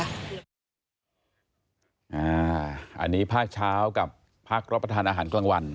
อันนี้ภาคเช้ากับพักรับประทานอาหารกลางวัน